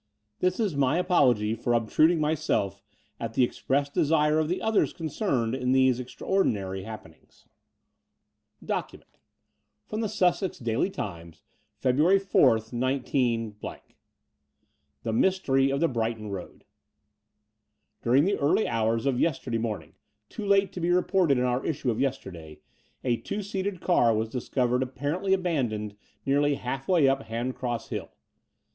This is my apology for obtrud ing myself — ^at the express desire of the others concerned in these extraordinary happenings. 14 The Door of the Unreal DOCUMENT From The Sussex Daily Times, February 4, The Mystery of the Brighton Road During the early hours of yesterday morning, too late to be reported in our issue of yesterday, a two seated car was discovered apparently aban doned nearly half way up Handcross Hill.